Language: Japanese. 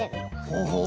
ほうほう。